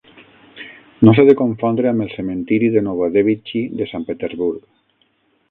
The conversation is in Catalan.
No s'ha de confondre amb el cementiri de Novodévitxi de Sant Petersburg.